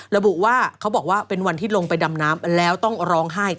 ระบุว่าเขาบอกว่าเป็นวันที่ลงไปดำน้ำแล้วต้องร้องไห้